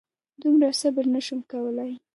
دومره صبر نه شم کولی.